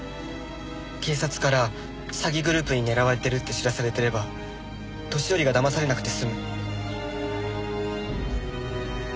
警察から詐欺グループに狙われてるって知らされてれば年寄りがだまされなくて済む。